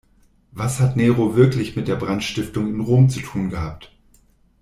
Was hat Nero wirklich mit der Brandstiftung in Rom zu tun gehabt?